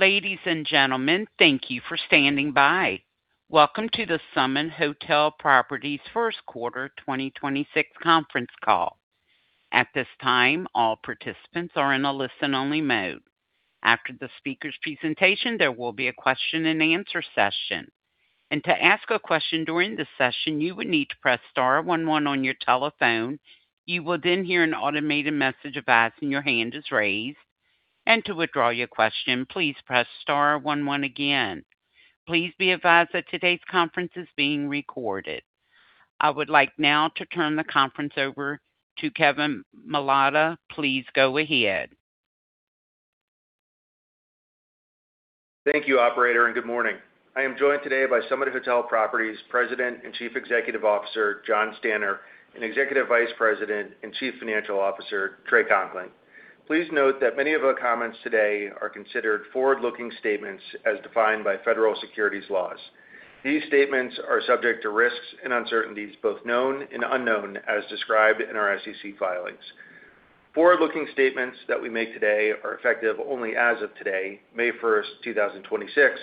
Ladies and gentlemen, thank you for standing by. Welcome to the Summit Hotel Properties first quarter 2026 conference call. At this time, all participants are in a listen-only mode. After the speaker's presentation, there will be a question-and-answer session. To ask a question during the session, you would need to press star one one on your telephone. You will then hear an automated message advising your hand is raised. To withdraw your question, please press star one one again. Please be advised that today's conference is being recorded. I would like now to turn the conference over to Kevin Milota. Please go ahead. Thank you, operator, good morning. I am joined today by Summit Hotel Properties President and Chief Executive Officer, Jon Stanner, and Executive Vice President and Chief Financial Officer, Trey Conkling. Please note that many of our comments today are considered forward-looking statements as defined by federal securities laws. These statements are subject to risks and uncertainties, both known and unknown, as described in our SEC filings. Forward-looking statements that we make today are effective only as of today, May 1, 2026,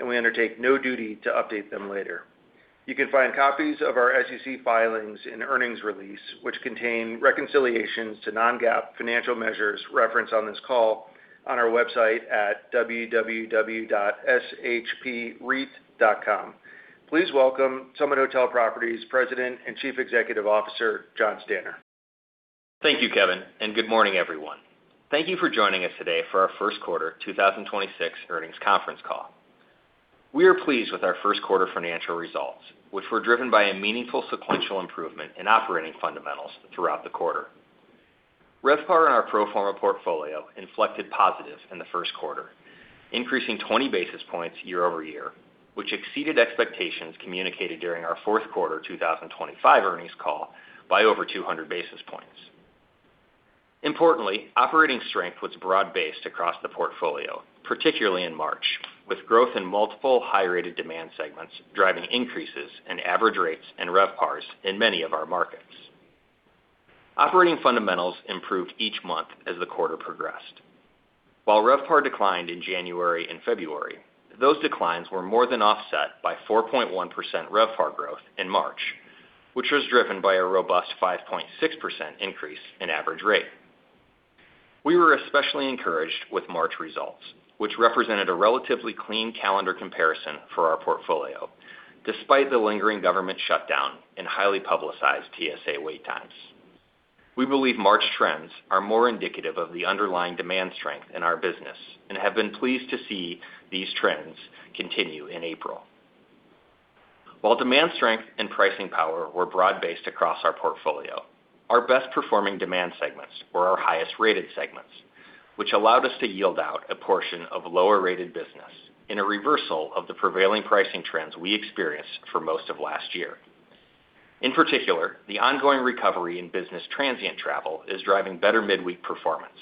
and we undertake no duty to update them later. You can find copies of our SEC filings and earnings release, which contain reconciliations to non-GAAP financial measures referenced on this call on our website at www.shpreit.com. Please welcome Summit Hotel Properties President and Chief Executive Officer, Jon Stanner. Thank you, Kevin, and good morning, everyone. Thank you for joining us today for our first quarter 2026 earnings conference call. We are pleased with our first quarter financial results, which were driven by a meaningful sequential improvement in operating fundamentals throughout the quarter. RevPAR in our pro forma portfolio inflected positive in the first quarter, increasing 20 basis points year-over-year, which exceeded expectations communicated during our fourth quarter 2025 earnings call by over 200 basis points. Importantly, operating strength was broad-based across the portfolio, particularly in March, with growth in multiple high-rated demand segments driving increases in average rates and RevPARs in many of our markets. Operating fundamentals improved each month as the quarter progressed. While RevPAR declined in January and February, those declines were more than offset by 4.1% RevPAR growth in March, which was driven by a robust 5.6% increase in average rate. We were especially encouraged with March results, which represented a relatively clean calendar comparison for our portfolio, despite the lingering government shutdown and highly publicized TSA wait times. We believe March trends are more indicative of the underlying demand strength in our business and have been pleased to see these trends continue in April. While demand strength and pricing power were broad-based across our portfolio, our best performing demand segments were our highest rated segments, which allowed us to yield out a portion of lower rated business in a reversal of the prevailing pricing trends we experienced for most of last year. In particular, the ongoing recovery in business transient travel is driving better midweek performance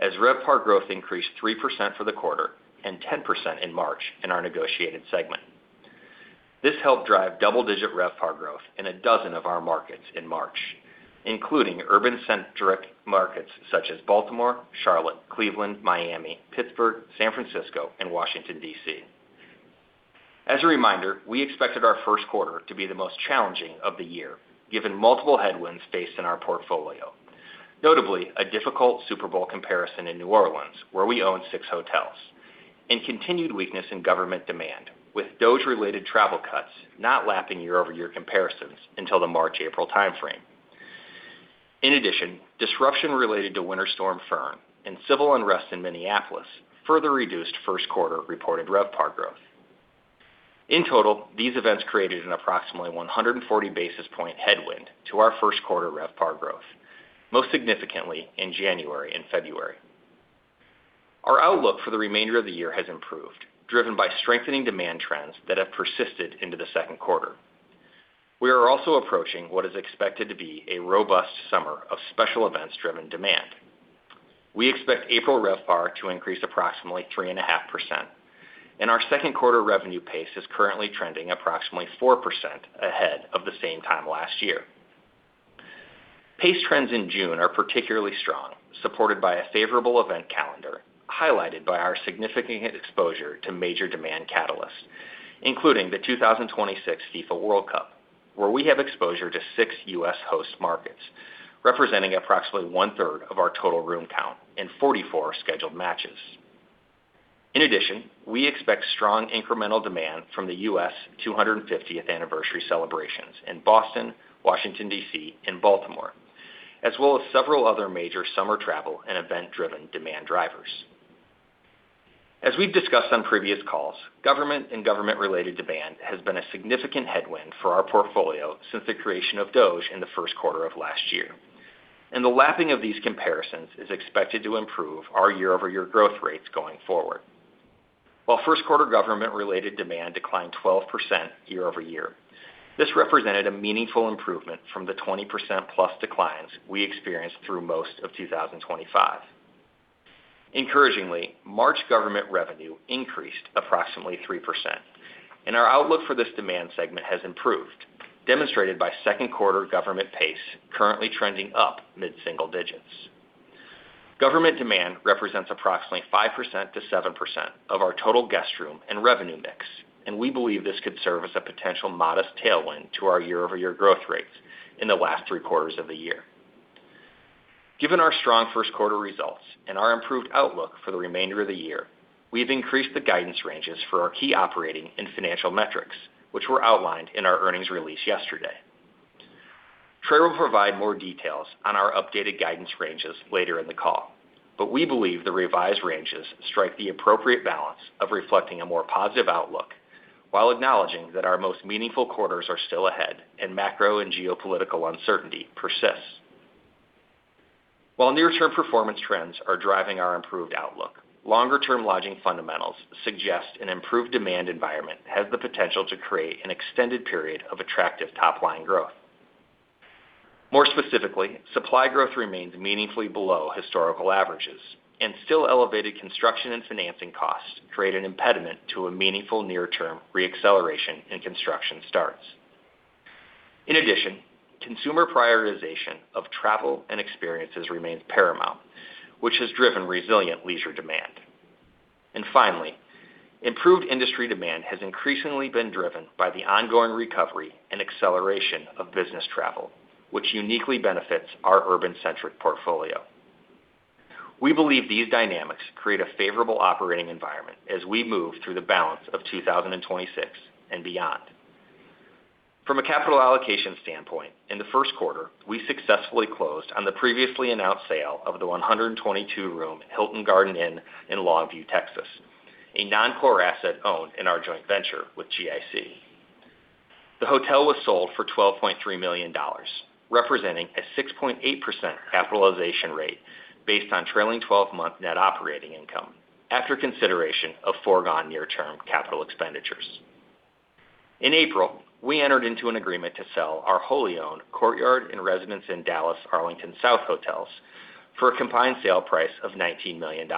as RevPAR growth increased 3% for the quarter and 10% in March in our negotiated segment. This helped drive double-digit RevPAR growth in 12 of our markets in March, including urban centric markets such as Baltimore, Charlotte, Cleveland, Miami, Pittsburgh, San Francisco and Washington, D.C. As a reminder, we expected our first quarter to be the most challenging of the year, given multiple headwinds faced in our portfolio, notably a difficult Super Bowl comparison in New Orleans, where we own six hotels, and continued weakness in government demand with DOGE-related travel cuts not lapping year-over-year comparisons until the March-April time frame. In addition, disruption related to Winter Storm Fern and civil unrest in Minneapolis further reduced first quarter reported RevPAR growth. In total, these events created an approximately 140 basis point headwind to our first quarter RevPAR growth, most significantly in January and February. Our outlook for the remainder of the year has improved, driven by strengthening demand trends that have persisted into the second quarter. We are also approaching what is expected to be a robust summer of special events driven demand. We expect April RevPAR to increase approximately 3.5%, and our second quarter revenue pace is currently trending approximately 4% ahead of the same time last year. Pace trends in June are particularly strong, supported by a favorable event calendar highlighted by our significant exposure to major demand catalysts, including the 2026 FIFA World Cup, where we have exposure to six U.S. host markets representing approximately one-third of our total room count and 44 scheduled matches. In addition, we expect strong incremental demand from the U.S. 250th anniversary celebrations in Boston, Washington, D.C., and Baltimore, as well as several other major summer travel and event driven demand drivers. As we've discussed on previous calls, government and government-related demand has been a significant headwind for our portfolio since the creation of DOGE in the first quarter of last year. The lapping of these comparisons is expected to improve our year-over-year growth rates going forward. While first quarter government-related demand declined 12% year-over-year, this represented a meaningful improvement from the 20%+ declines we experienced through most of 2025. Encouragingly, March government revenue increased approximately 3%. Our outlook for this demand segment has improved, demonstrated by second quarter government pace currently trending up mid-single digits. Government demand represents approximately 5%-7% of our total guest room and revenue mix. We believe this could serve as a potential modest tailwind to our year-over-year growth rates in the last three quarters of the year. Given our strong first quarter results and our improved outlook for the remainder of the year, we have increased the guidance ranges for our key operating and financial metrics, which were outlined in our earnings release yesterday. Trey will provide more details on our updated guidance ranges later in the call. We believe the revised ranges strike the appropriate balance of reflecting a more positive outlook while acknowledging that our most meaningful quarters are still ahead and macro and geopolitical uncertainty persists. While near-term performance trends are driving our improved outlook, longer-term lodging fundamentals suggest an improved demand environment has the potential to create an extended period of attractive top-line growth. More specifically, supply growth remains meaningfully below historical averages, and still elevated construction and financing costs create an impediment to a meaningful near-term re-acceleration in construction starts. In addition, consumer prioritization of travel and experiences remains paramount, which has driven resilient leisure demand. Finally, improved industry demand has increasingly been driven by the ongoing recovery and acceleration of business travel, which uniquely benefits our urban-centric portfolio. We believe these dynamics create a favorable operating environment as we move through the balance of 2026 and beyond. From a capital allocation standpoint, in the first quarter, we successfully closed on the previously announced sale of the 122-room Hilton Garden Inn in Longview, Texas, a non-core asset owned in our joint venture with GIC. The hotel was sold for $12.3 million, representing a 6.8% capitalization rate based on trailing 12-month NOI after consideration of foregone near-term CapEx. In April, we entered into an agreement to sell our wholly owned Courtyard and Residence Inn Dallas Arlington South hotels for a combined sale price of $19 million.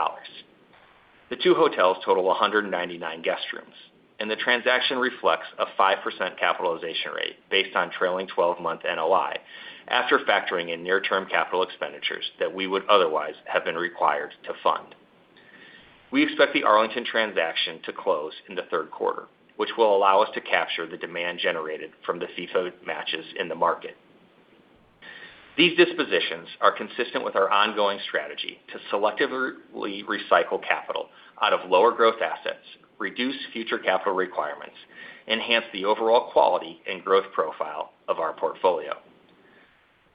The two hotels total 199 guest rooms, and the transaction reflects a 5% capitalization rate based on trailing 12-month NOI after factoring in near-term CapEx that we would otherwise have been required to fund. We expect the Arlington transaction to close in the third quarter, which will allow us to capture the demand generated from the FIFA matches in the market. These dispositions are consistent with our ongoing strategy to selectively recycle capital out of lower growth assets, reduce future capital requirements, enhance the overall quality and growth profile of our portfolio.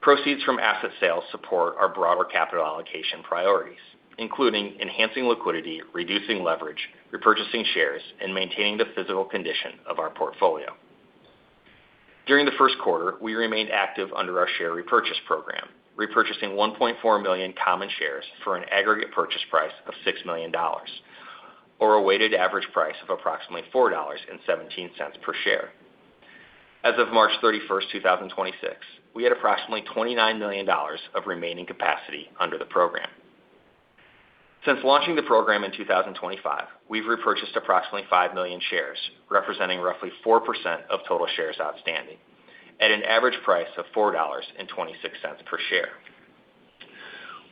Proceeds from asset sales support our broader capital allocation priorities, including enhancing liquidity, reducing leverage, repurchasing shares, and maintaining the physical condition of our portfolio. During the first quarter, we remained active under our share repurchase program, repurchasing 1.4 million common shares for an aggregate purchase price of $6 million or a weighted average price of approximately $4.17 per share. As of March 31, 2026, we had approximately $29 million of remaining capacity under the program. Since launching the program in 2025, we've repurchased approximately five million shares, representing roughly 4% of total shares outstanding at an average price of $4.26 per share.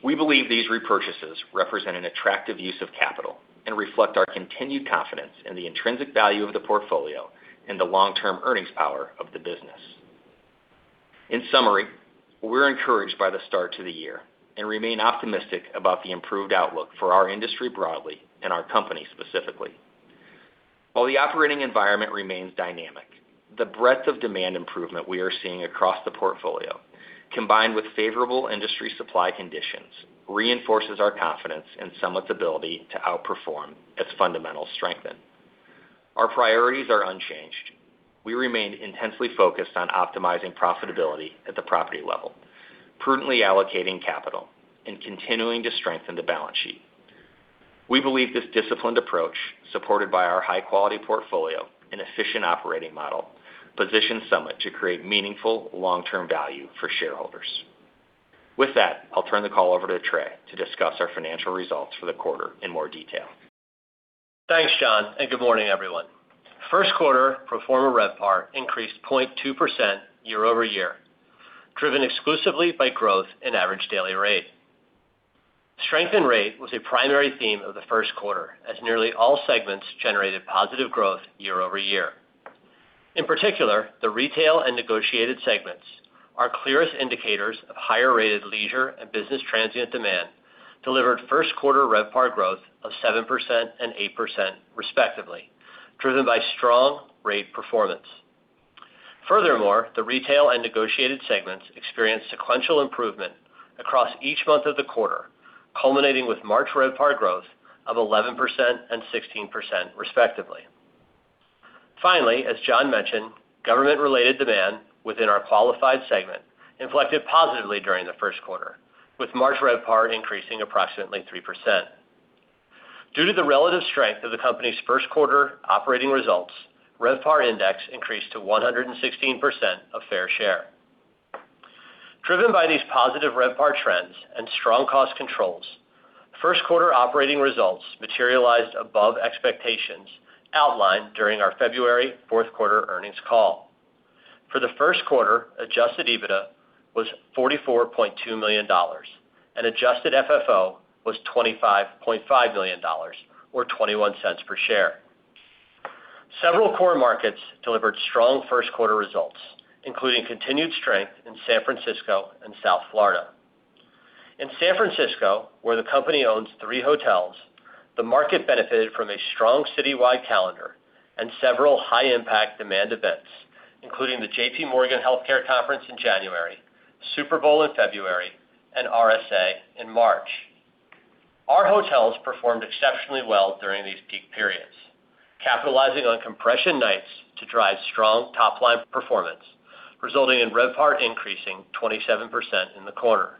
We believe these repurchases represent an attractive use of capital and reflect our continued confidence in the intrinsic value of the portfolio and the long-term earnings power of the business. In summary, we're encouraged by the start to the year and remain optimistic about the improved outlook for our industry broadly and our company specifically. While the operating environment remains dynamic, the breadth of demand improvement we are seeing across the portfolio, combined with favorable industry supply conditions, reinforces our confidence in Summit's ability to outperform as fundamentals strengthen. Our priorities are unchanged. We remain intensely focused on optimizing profitability at the property level, prudently allocating capital, and continuing to strengthen the balance sheet. We believe this disciplined approach, supported by our high-quality portfolio and efficient operating model, positions Summit to create meaningful long-term value for shareholders. With that, I'll turn the call over to Trey to discuss our financial results for the quarter in more detail. Thanks, Jon, and good morning, everyone. First quarter pro forma RevPAR increased 0.2% year-over-year, driven exclusively by growth in average daily rate. Strength in rate was a primary theme of the first quarter as nearly all segments generated positive growth year-over-year. In particular, the retail and negotiated segments are clearest indicators of higher rated leisure and business transient demand delivered first quarter RevPAR growth of 7% and 8% respectively, driven by strong rate performance. Furthermore, the retail and negotiated segments experienced sequential improvement across each month of the quarter, culminating with March RevPAR growth of 11% and 16% respectively. Finally, as Jon mentioned, government-related demand within our qualified segment inflected positively during the first quarter, with March RevPAR increasing approximately 3%. Due to the relative strength of the company's first quarter operating results, RevPAR index increased to 116% of fair share. Driven by these positive RevPAR trends and strong cost controls, first quarter operating results materialized above expectations outlined during our February fourth quarter earnings call. For the first quarter, Adjusted EBITDA was $44.2 million, and Adjusted FFO was $25.5 million, or $0.21 per share. Several core markets delivered strong first quarter results, including continued strength in San Francisco and South Florida. In San Francisco, where the company owns three hotels, the market benefited from a strong citywide calendar and several high impact demand events, including the J.P. Morgan Healthcare Conference in January, Super Bowl in February, and RSA in March. Our hotels performed exceptionally well during these peak periods, capitalizing on compression nights to drive strong top-line performance, resulting in RevPAR increasing 27% in the quarter.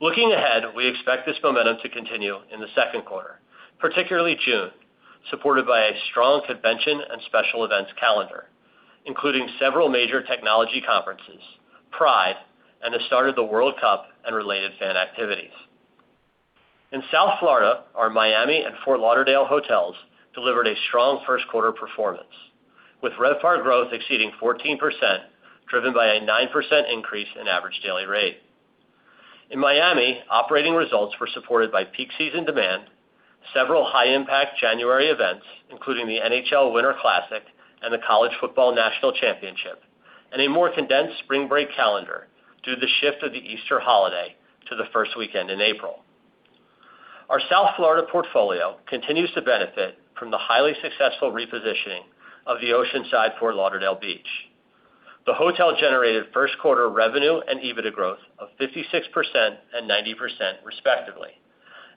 Looking ahead, we expect this momentum to continue in the second quarter, particularly June, supported by a strong convention and special events calendar, including several major technology conferences, Pride, and the start of the World Cup and related fan activities. In South Florida, our Miami and Fort Lauderdale hotels delivered a strong first quarter performance, with RevPAR growth exceeding 14% driven by a 9% increase in average daily rate. In Miami, operating results were supported by peak season demand, several high impact January events, including the NHL Winter Classic and the College Football Playoff National Championship, and a more condensed spring break calendar due to the shift of the Easter holiday to the first weekend in April. Our South Florida portfolio continues to benefit from the highly successful repositioning of the Oceanside Fort Lauderdale Beach. The hotel generated 1st quarter revenue and EBITDA growth of 56% and 90% respectively,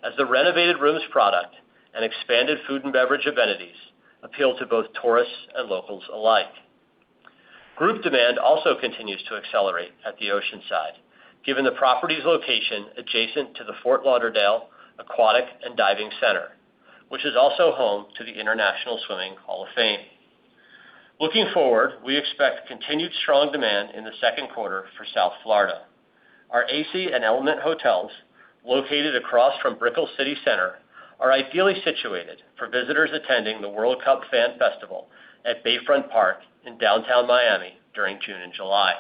as the renovated rooms product and expanded food and beverage amenities appeal to both tourists and locals alike. Group demand also continues to accelerate at the Oceanside, given the property's location adjacent to the Fort Lauderdale Aquatic & Diving Center, which is also home to the International Swimming Hall of Fame. Looking forward, we expect continued strong demand in the second quarter for South Florida. Our AC and Element hotels located across from Brickell City Center are ideally situated for visitors attending the World Cup Fan Festival at Bayfront Park in downtown Miami during June and July.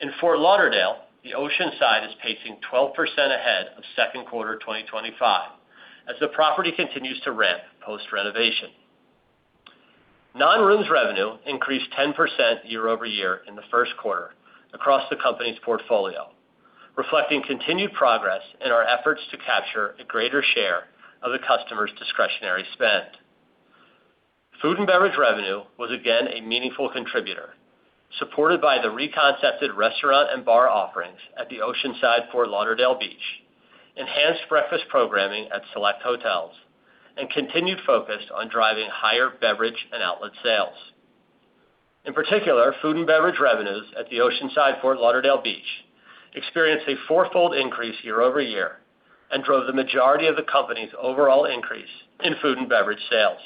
In Fort Lauderdale, the Oceanside is pacing 12% ahead of second quarter 2025 as the property continues to ramp post-renovation. Non-rooms revenue increased 10% year-over-year in the first quarter across the company's portfolio, reflecting continued progress in our efforts to capture a greater share of the customer's discretionary spend. Food and beverage revenue was again a meaningful contributor, supported by the reconcepted restaurant and bar offerings at the Oceanside Fort Lauderdale Beach, enhanced breakfast programming at select hotels, and continued focus on driving higher beverage and outlet sales. In particular, food and beverage revenues at the Oceanside Fort Lauderdale Beach experienced a four-fold increase year-over-year and drove the majority of the company's overall increase in food and beverage sales.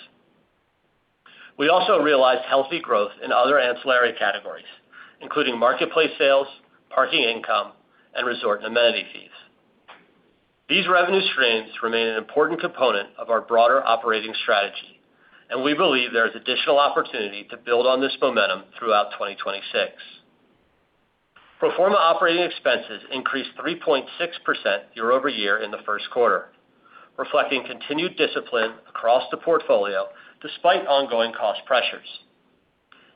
We also realized healthy growth in other ancillary categories, including marketplace sales, parking income, and resort and amenity fees. These revenue streams remain an important component of our broader operating strategy, and we believe there is additional opportunity to build on this momentum throughout 2026. Pro forma operating expenses increased 3.6% year-over-year in the first quarter, reflecting continued discipline across the portfolio despite ongoing cost pressures.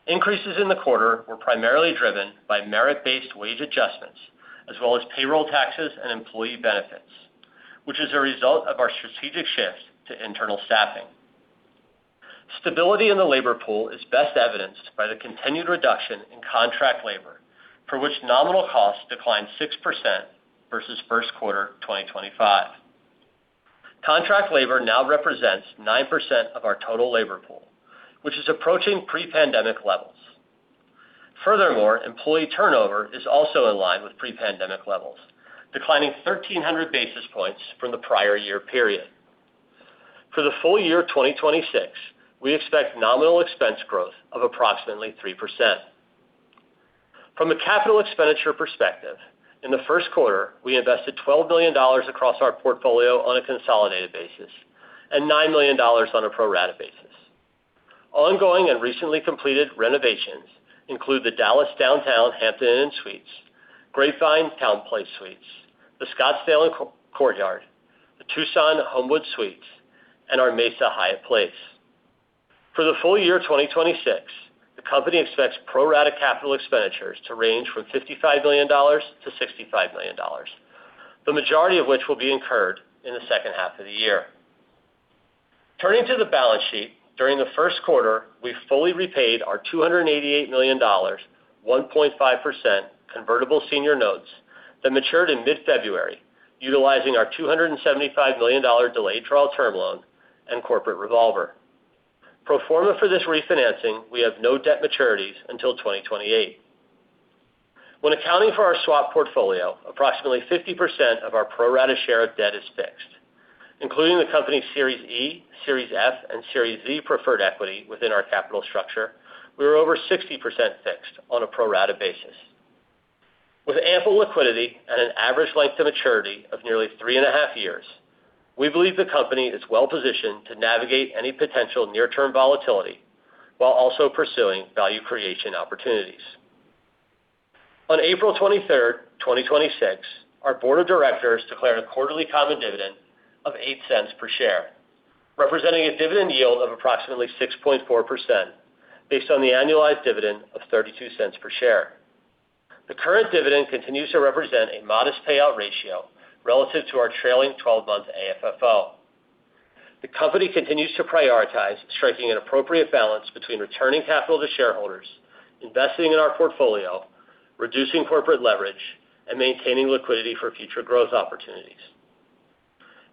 Increases in the quarter were primarily driven by merit-based wage adjustments as well as payroll taxes and employee benefits, which is a result of our strategic shift to internal staffing. Stability in the labor pool is best evidenced by the continued reduction in contract labor, for which nominal costs declined 6% versus first quarter 2025. Contract labor now represents 9% of our total labor pool, which is approaching pre-pandemic levels. Furthermore, employee turnover is also in line with pre-pandemic levels, declining 1,300 basis points from the prior year period. For the full year 2026, we expect nominal expense growth of approximately 3%. From a capital expenditure perspective, in the first quarter, we invested $12 million across our portfolio on a consolidated basis and $9 million on a pro rata basis. Ongoing and recently completed renovations include the SpringHill Suites Dallas Downtown, TownePlace Suites Grapevine, the Scottsdale and Co-Courtyard, the Homewood Suites Tucson, and our Mesa Hyatt Place. For the full year 2026, the company expects pro rata capital expenditures to range from $55 million-$65 million, the majority of which will be incurred in the second half of the year. Turning to the balance sheet, during the first quarter, we fully repaid our $288 million, 1.5% convertible senior notes that matured in mid-February, utilizing our $275 million delayed draw term loan and corporate revolver. Pro forma for this refinancing, we have no debt maturities until 2028. When accounting for our swap portfolio, approximately 50% of our pro rata share of debt is fixed. Including the company Series E, Series F, and Series Z preferred equity within our capital structure, we are over 60% fixed on a pro rata basis. With ample liquidity and an average length to maturity of nearly 3.5 years, we believe the company is well-positioned to navigate any potential near-term volatility while also pursuing value creation opportunities. On April 23rd, 2026, our board of directors declared a quarterly common dividend of $0.08 per share, representing a dividend yield of approximately 6.4% based on the annualized dividend of $0.32 per share. The current dividend continues to represent a modest payout ratio relative to our trailing 12-month AFFO. The company continues to prioritize striking an appropriate balance between returning capital to shareholders, investing in our portfolio, reducing corporate leverage, and maintaining liquidity for future growth opportunities.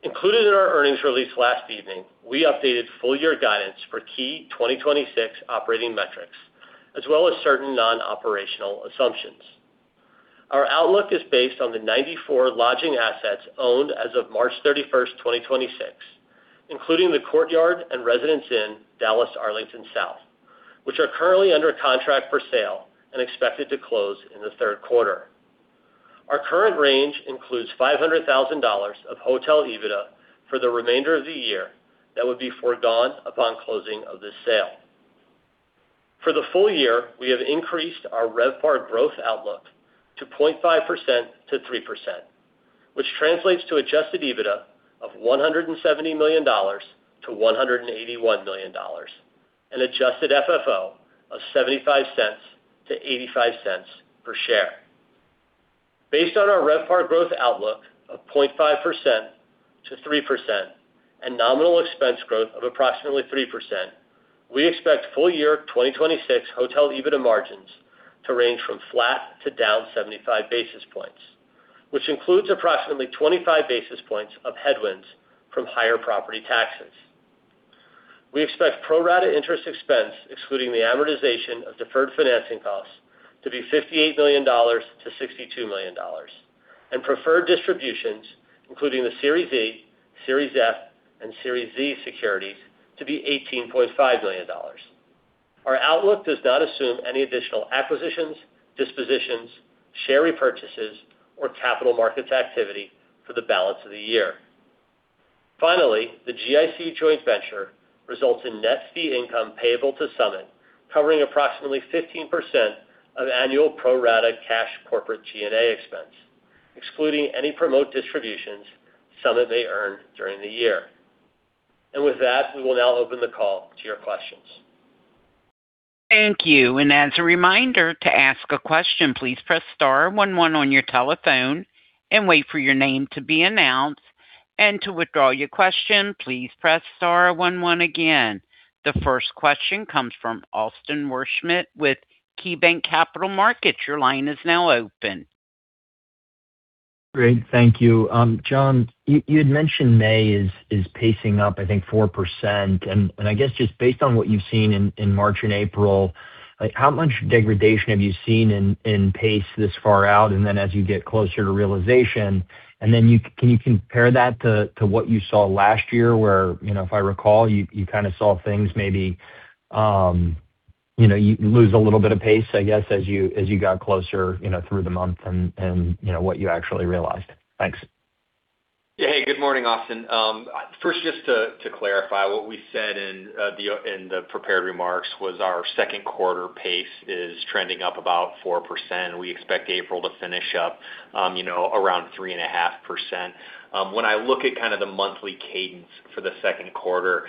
Included in our earnings release last evening, we updated full year guidance for key 2026 operating metrics as well as certain non-operational assumptions. Our outlook is based on the 94 lodging assets owned as of March 31st, 2026, including the Courtyard and Residence Inn, Dallas, Arlington South, which are currently under contract for sale and expected to close in the third quarter. Our current range includes $500,000 of hotel EBITDA for the remainder of the year that would be foregone upon closing of this sale. For the full year, we have increased our RevPAR growth outlook to 0.5%-3%, which translates to Adjusted EBITDA of $170 million-$181 million and Adjusted FFO of $0.75-$0.85 per share. Based on our RevPAR growth outlook of 0.5%-3% and nominal expense growth of approximately 3%, we expect full year 2026 hotel EBITDA margins to range from flat to down 75 basis points, which includes approximately 25 basis points of headwinds from higher property taxes. We expect pro rata interest expense, excluding the amortization of deferred financing costs, to be $58 million-$62 million, and preferred distributions, including the Series A, Series F, and Series Z securities, to be $18.5 million. Our outlook does not assume any additional acquisitions, dispositions, share repurchases, or capital markets activity for the balance of the year. The GIC joint venture results in net fee income payable to Summit, covering approximately 15% of annual pro rata cash corporate G&A expense, excluding any promote distributions Summit may earn during the year. With that, we will now open the call to your questions. Thank you. As a reminder to ask a question, please press star one one on your telephone and wait for your name to be announced. To withdraw your question, please press star one one again. The first question comes from Austin Wurschmidt with KeyBanc Capital Markets. Your line is now open. Great. Thank you. Jon, you had mentioned May is pacing up, I think, 4%. I guess just based on what you've seen in March and April, like, how much degradation have you seen in pace this far out and then as you get closer to realization? Can you compare that to what you saw last year where, you know, if I recall, you kind of saw things maybe, you know, you lose a little bit of pace, I guess, as you, as you got closer, you know, through the month, you know, what you actually realized? Thanks. Yeah. Hey, good morning, Austin. First, just to clarify, what we said in the prepared remarks was our second quarter pace is trending up about 4%. We expect April to finish up, you know, around 3.5%. When I look at kind of the monthly cadence for the second quarter,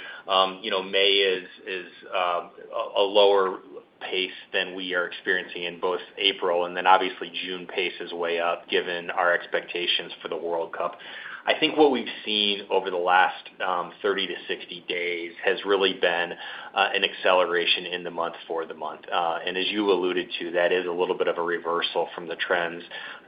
you know, May is a lower pace than we are experiencing in both April and then obviously June pace is way up given our expectations for the World Cup. I think what we've seen over the last 30-60 days has really been an acceleration in the month for the month. As you alluded to, that is a little bit of a reversal from the trends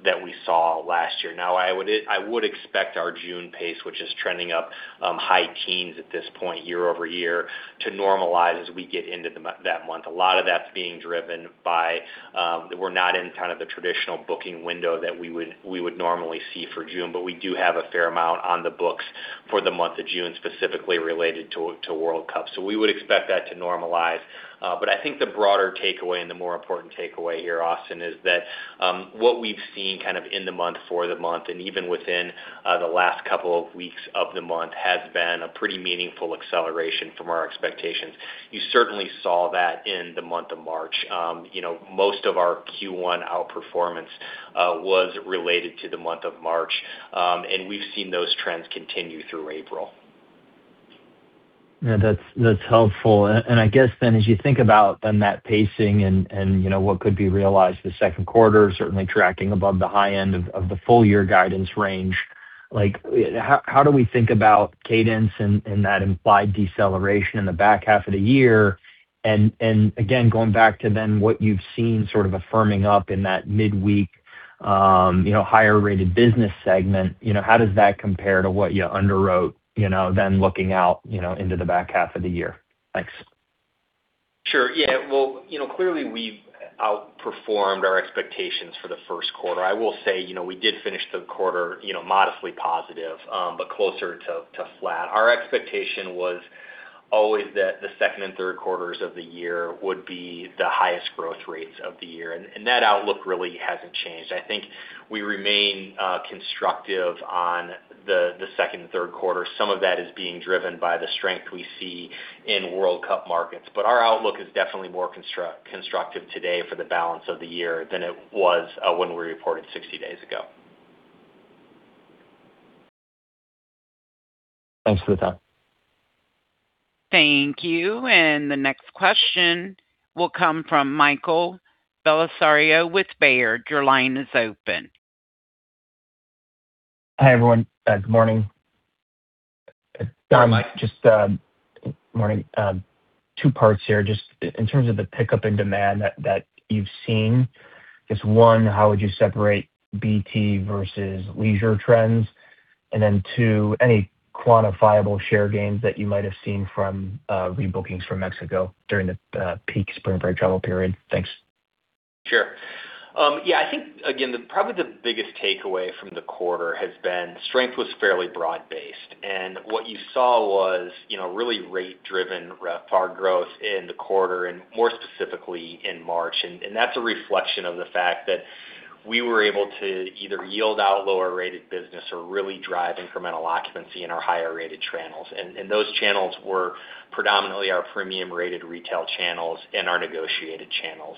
that we saw last year. I would expect our June pace, which is trending up, high teens at this point year-over-year, to normalize as we get into that month. A lot of that's being driven by that we're not in kind of the traditional booking window that we would normally see for June, but we do have a fair amount on the books for the month of June, specifically related to World Cup. We would expect that to normalize. I think the broader takeaway and the more important takeaway here, Austin, is that what we've seen kind of in the month for the month and even within the last couple of weeks of the month has been a pretty meaningful acceleration from our expectations. You certainly saw that in the month of March. You know, most of our Q1 outperformance was related to the month of March. We've seen those trends continue through April. Yeah. That's helpful. I guess then as you think about then that pacing and, you know, what could be realized this second quarter, certainly tracking above the high end of the full year guidance range, like how do we think about cadence and that implied deceleration in the back half of the year? Again, going back to then what you've seen sort of affirming up in that midweek, you know, higher rated business segment, how does that compare to what you underwrote, then looking out into the back half of the year? Thanks. Sure. Yeah, well, you know, clearly we've outperformed our expectations for the first quarter. I will say, you know, we did finish the quarter, you know, modestly positive, closer to flat. Our expectation was always that the second and third quarters of the year would be the highest growth rates of the year, that outlook really hasn't changed. I think we remain constructive on the second and third quarter. Some of that is being driven by the strength we see in World Cup markets. Our outlook is definitely more constructive today for the balance of the year than it was when we reported 60 days ago. Thanks for the time. Thank you. The next question will come from Michael Bellisario with Baird. Your line is open. Hi, everyone. Good morning. Hi, Mike. Just morning. Two parts here. Just in terms of the pickup in demand that you've seen, just one, how would you separate BT versus leisure trends? Two, any quantifiable share gains that you might have seen from rebookings from Mexico during the peak spring break travel period? Thanks. Sure. Yeah, I think again, probably the biggest takeaway from the quarter has been strength was fairly broad-based. What you saw was, you know, really rate-driven RevPAR growth in the quarter and more specifically in March. That's a reflection of the fact that we were able to either yield out lower rated business or really drive incremental occupancy in our higher rated channels. Those channels were predominantly our premium rated retail channels and our negotiated channels.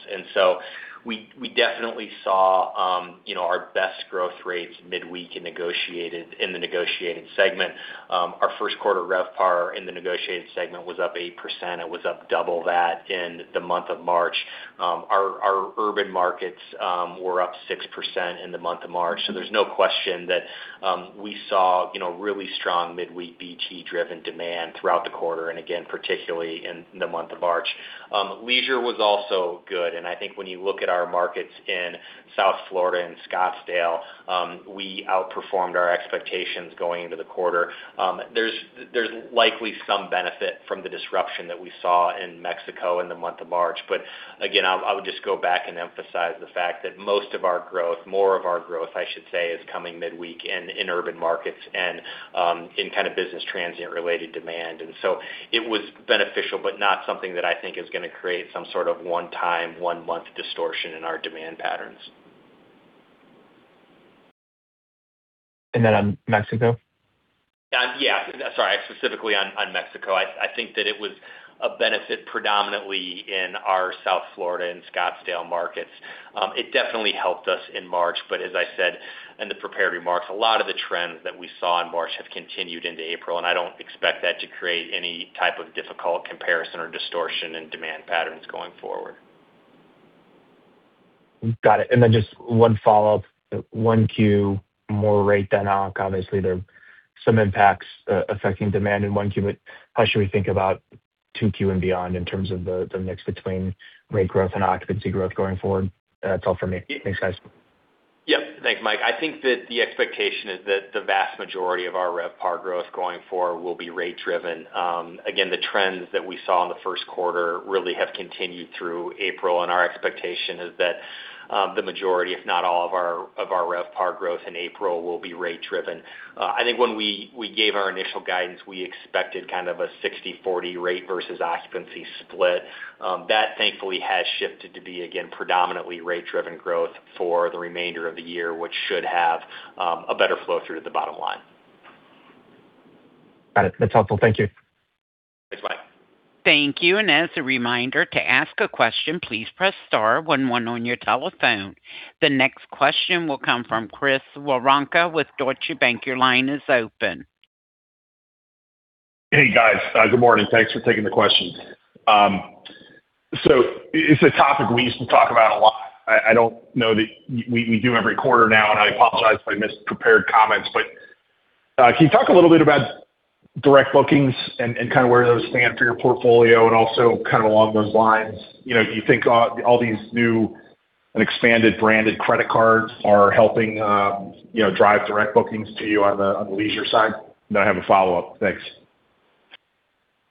We definitely saw, you know, our best growth rates midweek in the negotiated segment. Our first quarter RevPAR in the negotiated segment was up 8%. It was up double that in the month of March. Our urban markets were up 6% in the month of March. There's no question that, we saw, you know, really strong midweek BT-driven demand throughout the quarter, and again, particularly in the month of March. Leisure was also good. I think when you look at our markets in South Florida and Scottsdale, we outperformed our expectations going into the quarter. There's, there's likely some benefit from the disruption that we saw in Mexico in the month of March. Again, I would just go back and emphasize the fact that most of our growth, more of our growth, I should say, is coming midweek and in urban markets and, in kind of business transient related demand. It was beneficial, but not something that I think is gonna create some sort of one-time, one-month distortion in our demand patterns. Then on Mexico? Yeah. Sorry, specifically on Mexico. I think that it was a benefit predominantly in our South Florida and Scottsdale markets. It definitely helped us in March, but as I said in the prepared remarks, a lot of the trends that we saw in March have continued into April, and I don't expect that to create any type of difficult comparison or distortion in demand patterns going forward. Got it. Just one follow-up. 1Q, more rate than OC. Obviously, there are some impacts affecting demand in 1Q. How should we think about 2Q and beyond in terms of the mix between rate growth and occupancy growth going forward? That's all for me. Thanks, guys. Yeah. Thanks, Mike. I think that the expectation is that the vast majority of our RevPAR growth going forward will be rate driven. Again, the trends that we saw in the 1st quarter really have continued through April, and our expectation is that the majority, if not all of our, of our RevPAR growth in April, will be rate driven. I think when we gave our initial guidance, we expected kind of a 60/40 rate versus occupancy split. That thankfully has shifted to be again, predominantly rate driven growth for the remainder of the year, which should have a better flow through to the bottom line. Got it. That's helpful. Thank you. Thanks, Mike. Thank you and as a reminder to ask a question please press star one one on your telephone. The next question will come from Chris Woronka with Deutsche Bank. Your line is open. Hey, guys, good morning. Thanks for taking the question. It's a topic we used to talk about a lot. I don't know that we do every quarter now, and I apologize if I missed prepared comments, but, can you talk a little bit about direct bookings and kind of where those stand for your portfolio and also kind of along those lines, you know, do you think all these new and expanded branded credit cards are helping, you know, drive direct bookings to you on the leisure side? I have a follow-up. Thanks.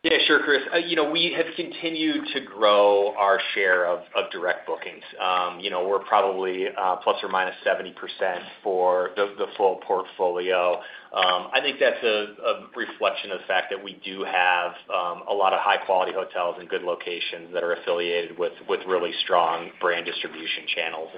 Yeah, sure, Chris. you know, we have continued to grow our share of direct bookings. you know, we're probably ±70% for the full portfolio. I think that's a reflection of the fact that we do have a lot of high-quality hotels and good locations that are affiliated with really strong brand distribution channels.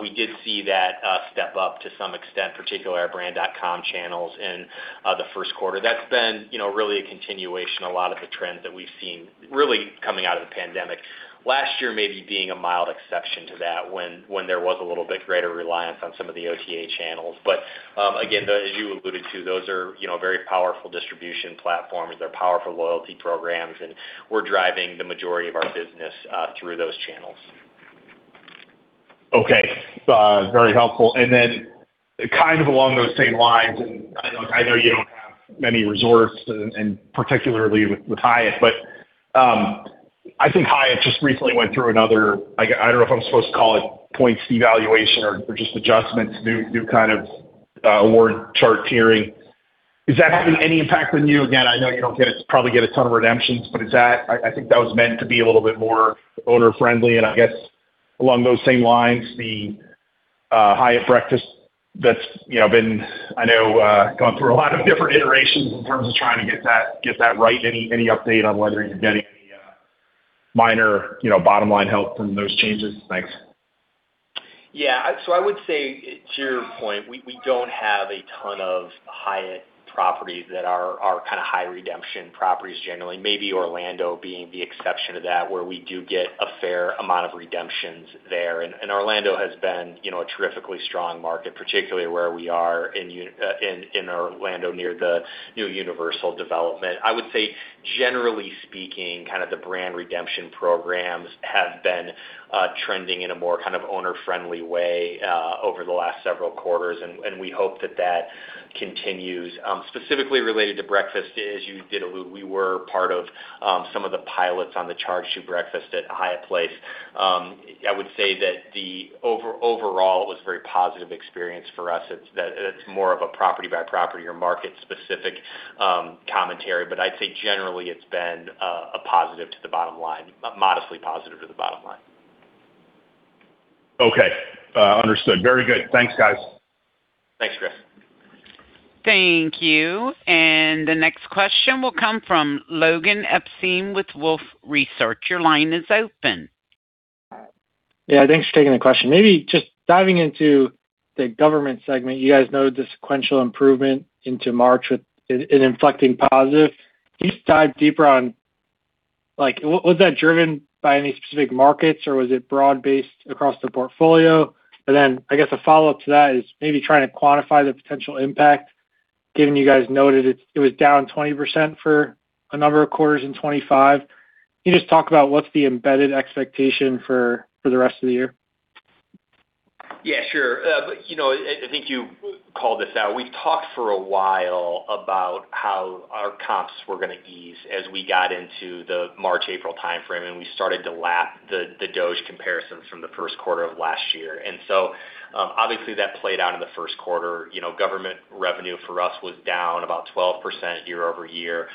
We did see that step up to some extent, particularly our brand.com channels in the first quarter. That's been, you know, really a continuation of a lot of the trends that we've seen really coming out of the pandemic. Last year, maybe being a mild exception to that when there was a little bit greater reliance on some of the OTA channels. Again, as you alluded to, those are, you know, very powerful distribution platforms. They're powerful loyalty programs, and we're driving the majority of our business, through those channels. Okay. Very helpful. Then kind of along those same lines, I know, I know you don't have many resorts and, particularly with Hyatt, but, I think Hyatt just recently went through another, I don't know if I'm supposed to call it points devaluation or just adjustments, new kind of award chart tiering. Is that having any impact on you? Again, I know you don't probably get a ton of redemptions, but I think that was meant to be a little bit more owner-friendly. I guess along those same lines, the Hyatt breakfast that's, you know, been, I know, gone through a lot of different iterations in terms of trying to get that, get that right. Any, any update on whether you're getting any minor, you know, bottom line help from those changes? Thanks. Yeah. I would say to your point, we don't have a ton of Hyatt properties that are kinda high redemption properties generally. Maybe Orlando being the exception to that, where we do get a fair amount of redemptions there. Orlando has been, you know, a terrifically strong market, particularly where we are in Orlando near the new Universal development. I would say generally speaking, kind of the brand redemption programs have been trending in a more kind of owner-friendly way over the last several quarters, and we hope that that continues. Specifically related to breakfast, as you did allude, we were part of some of the pilots on the charge to breakfast at Hyatt Place. I would say that the overall, it was a very positive experience for us. That it's more of a property by property or market-specific commentary. I'd say generally it's been a positive to the bottom line. Modestly positive to the bottom line. Okay. Understood. Very good. Thanks, guys. Thanks, Chris. Thank you. The next question will come from Logan Epstein with Wolfe Research. Your line is open. Yeah, thanks for taking the question. Maybe just diving into the government segment. You guys noted the sequential improvement into March in inflecting positive. Can you just dive deeper on, like, was that driven by any specific markets or was it broad-based across the portfolio? Then I guess a follow-up to that is maybe trying to quantify the potential impact, given you guys noted it was down 20% for a number of quarters in 2025. Can you just talk about what's the embedded expectation for the rest of the year? Yeah, sure. You know, I think you called this out. We've talked for a while about how our comps were gonna ease as we got into the March, April timeframe, and we started to lap the DOGE comparisons from the first quarter of last year. Obviously, that played out in the first quarter. You know, government revenue for us was down about 12% year-over-year.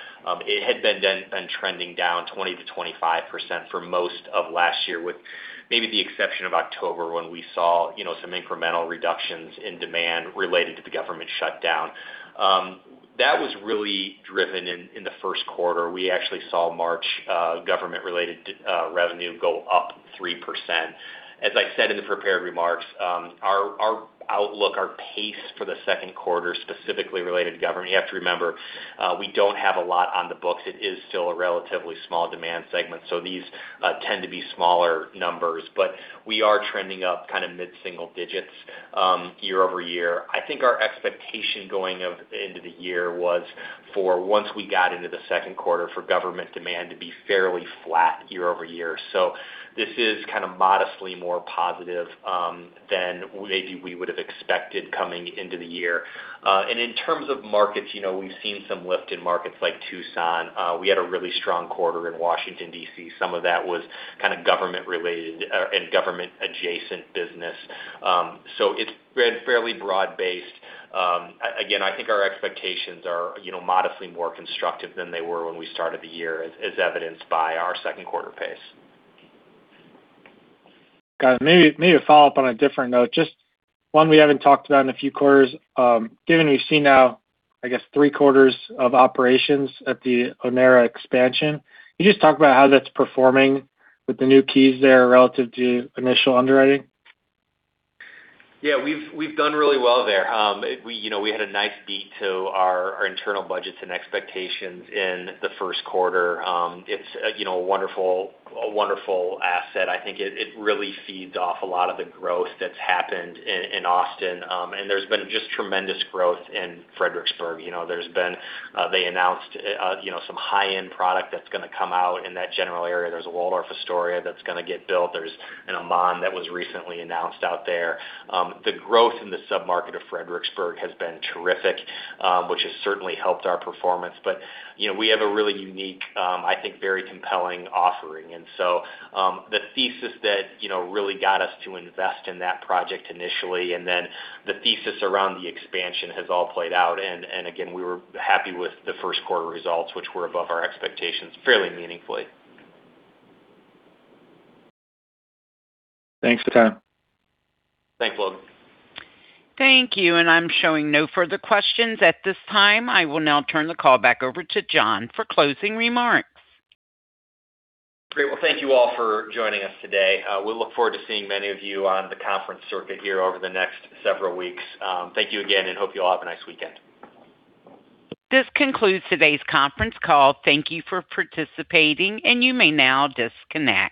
It had been then been trending down 20-25% for most of last year, with maybe the exception of October, when we saw, you know, some incremental reductions in demand related to the government shutdown. That was really driven in the first quarter. We actually saw March, government-related revenue go up 3%. As I said in the prepared remarks, our outlook, our pace for the second quarter, specifically related to government, you have to remember, we don't have a lot on the books. It is still a relatively small demand segment, so these tend to be smaller numbers. We are trending up kinda mid-single digits year-over-year. I think our expectation going into the year was for once we got into the second quarter, for government demand to be fairly flat year-over-year. This is kinda modestly more positive than maybe we would have expected coming into the year. And in terms of markets, you know, we've seen some lift in markets like Tucson. We had a really strong quarter in Washington, D.C. Some of that was kinda government-related and government adjacent business. It's been fairly broad-based. Again, I think our expectations are, you know, modestly more constructive than they were when we started the year, as evidenced by our second quarter pace. Got it. Maybe a follow-up on a different note, just one we haven't talked about in a few quarters. Given we've seen now, I guess, three quarters of operations at the Onera expansion, can you just talk about how that's performing with the new keys there relative to initial underwriting? Yeah. We've done really well there. We, you know, we had a nice beat to our internal budgets and expectations in the first quarter. It's, you know, a wonderful, a wonderful asset. I think it really feeds off a lot of the growth that's happened in Austin. There's been just tremendous growth in Fredericksburg. You know, they announced, you know, some high-end product that's gonna come out in that general area. There's a Waldorf Astoria that's gonna get built. There's an Aman that was recently announced out there. The growth in the sub-market of Fredericksburg has been terrific, which has certainly helped our performance. You know, we have a really unique, I think, very compelling offering. The thesis that, you know, really got us to invest in that project initially and then the thesis around the expansion has all played out. Again, we were happy with the first quarter results, which were above our expectations fairly meaningfully. Thanks for the time. Thanks, Logan. Thank you. I'm showing no further questions at this time. I will now turn the call back over to Jon for closing remarks. Great. Well, thank you all for joining us today. We look forward to seeing many of you on the conference circuit here over the next several weeks. Thank you again, and hope you all have a nice weekend. This concludes today's conference call. Thank you for participating, and you may now disconnect.